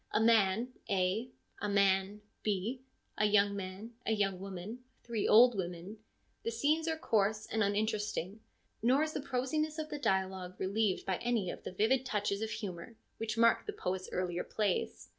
A man, A ; a man, B ; a young man ; a young woman ; three old women. The scenes are coarse and uninteresting, nor is the prosiness of the dialogue relieved by any of the vivid touches of humour which mark the poet's earlier plays.